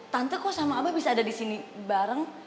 tante kok sama abah bisa ada disini bareng